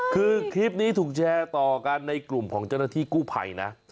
คือคลิปนี้ถูกแชร์ต่อกันในกลุ่มของเจ้าหน้าที่กู้ภัยนะ